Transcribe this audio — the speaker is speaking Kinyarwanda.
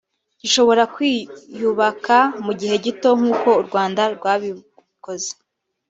gishobora kwiyubaka mu gihe gito nk’uko u Rwanda rwabikoze